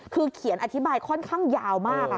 คือเขียนอธิบายค่อนข้างยาวมาก